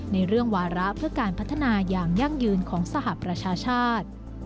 ในเรื่องวาระเพื่อการพัฒนาอย่างยั่งยืนของสหประชาชาติ